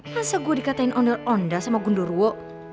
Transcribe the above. masa gue dikatain ondel ondel sama gundo ruwo